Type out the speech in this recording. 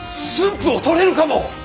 府を取れるかも！